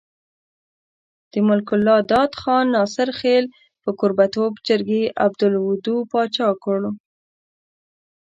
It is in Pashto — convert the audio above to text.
د ملک الله داد خان ناصرخېل په کوربه توب جرګې عبدالودو باچا کړو۔